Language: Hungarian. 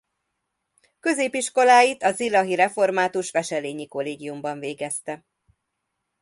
Középiskoláit a zilahi Református Wesselényi Kollégiumban végezte.